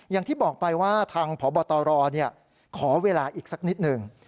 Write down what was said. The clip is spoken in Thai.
อย่างที่บอกไปว่าทางพบตรขอเวลาอีกสักนิดหนึ่ง